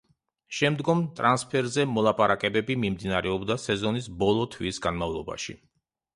შემდგომ ტრანსფერზე მოლაპარაკებები მიმდინარეობდა სეზონის ბოლო თვის განმავლობაში.